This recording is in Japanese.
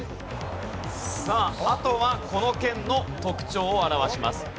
さああとはこの県の特徴を表します。